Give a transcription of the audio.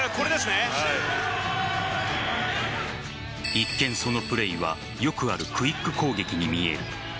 一見、そのプレーはよくあるクイック攻撃に見える。